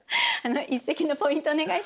一席のポイントお願いします。